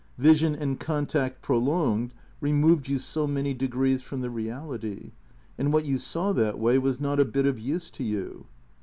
Vision and contact prolonged removed you so many degrees from the reality ; and what you saw that way was not a bit of use to you.